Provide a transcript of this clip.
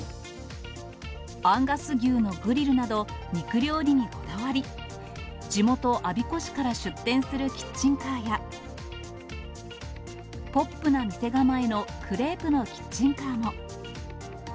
アンガス牛のグリルなど、肉料理にこだわり、地元、我孫子市から出店するキッチンカーや、ポップな店構えのクレープのキッチンカーも。